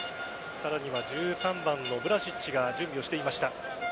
さらには１３番のヴラシッチが準備をしていました。